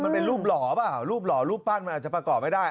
มันเป็นรูปหล่อเปล่ารูปหล่อรูปปั้นมันอาจจะประกอบไม่ได้